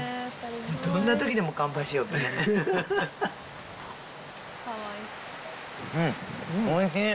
どんなときでも乾杯しよるね。